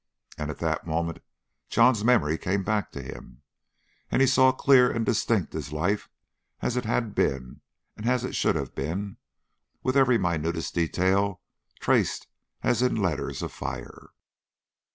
And at that moment John's memory came back to him, and he saw clear and distinct his life as it had been and as it should have been, with every minutest detail traced as in letters of fire.